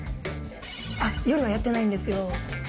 あっ夜はやってないんですよ。